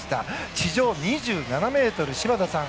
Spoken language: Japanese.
地上２７ｍ、荒田さん